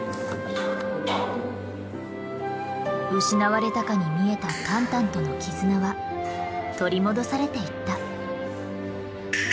失われたかに見えたタンタンとの絆は取り戻されていった。